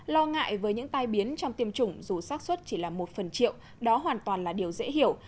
lo ngại với những tai biến trong tiêm chủng dù sát xuất chỉ là một phần triệu đó hoàn toàn là điều dễ hiểu